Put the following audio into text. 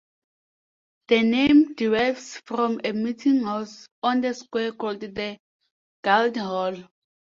The name derives from a meeting house on the square called the Guildhall.